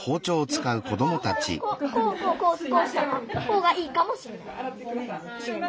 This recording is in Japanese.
こうこうこうってこうしたほうがいいかもしれない。